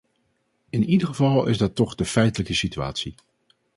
In ieder geval is dat toch de feitelijke situatie.